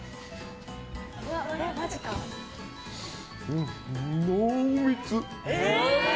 うん、濃密！